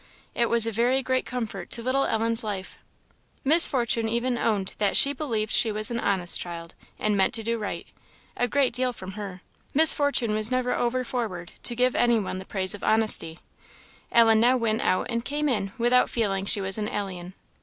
It was a very great comfort to little Ellen's life. Miss Fortune even owned that "she believed she was an honest child, and meant to do right" a great deal from her; Miss Fortune was never over forward to give any one the praise of honesty. Ellen now went out and came in without feeling she was an alien.